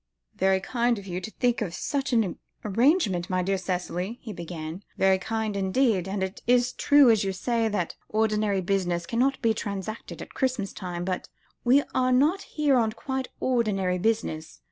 "Very kind of you to think of such an arrangement, my dear Cicely," he began; "very kind, indeed. And it is true, as you say, that ordinary business cannot be transacted at Christmas time. But we are not here on quite ordinary business.